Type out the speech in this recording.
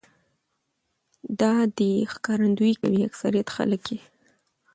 دا دې ښکارنديي کوي اکثريت خلک يې